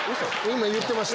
今言ってました。